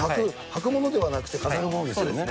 履くものではなくて、飾るものですよね。